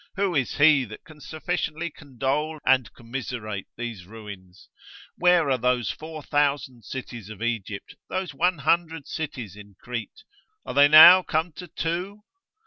Who is he that can sufficiently condole and commiserate these ruins? Where are those 4000 cities of Egypt, those 100 cities in Crete? Are they now come to two?